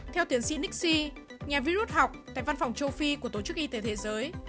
theo tiến sĩ nick c nhà vi rút học tại văn phòng châu phi của tổ chức y tế thế giới